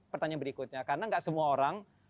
pertanyaan berikutnya karena nggak semua orang